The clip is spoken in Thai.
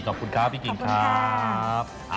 ขอบคุณครับพี่กิ่งครับขอบคุณครับ